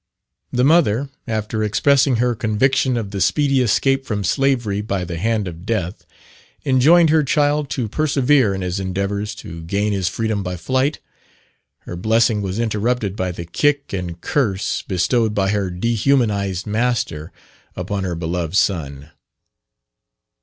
The mother, after expressing her conviction of the speedy escape from slavery by the hand of death, enjoined her child to persevere in his endeavours to gain his freedom by flight. Her blessing was interrupted by the kick and curse bestowed by her dehumanized master upon her beloved son.